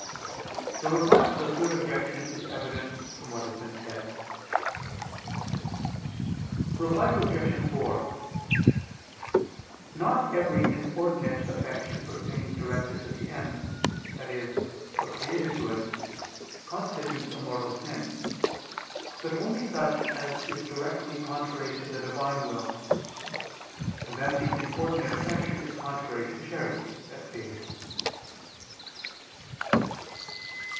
The Reply to the Third Objection is evident from what has been said. Reply Obj. 4: Not every inordinate affection for things directed to the end, i.e., for created goods, constitutes a mortal sin, but only such as is directly contrary to the Divine will; and then the inordinate affection is contrary to charity, as stated.